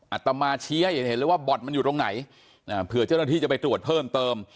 อัตมาชี้ให้เห็นเลยว่าบ่อนมันอยู่ตรงไหนเผื่อเจ้าหน้าที่จะไปตรวจเพิ่มเติม